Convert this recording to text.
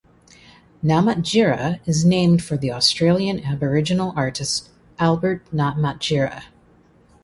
Namatjira is named for the Australian aboriginal artist Albert Namatjira.